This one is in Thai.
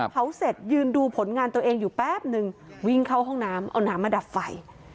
เผาเสร็จยืนดูผลงานตัวเองอยู่แป๊บนึงวิ่งเข้าห้องน้ำเอาน้ำมาดับไฟ